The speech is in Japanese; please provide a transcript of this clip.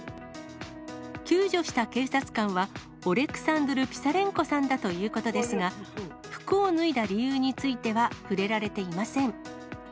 救助した警察官は、オレクサンドル・ピサレンコさんだということですが、服を脱いだ理由については触れられていません。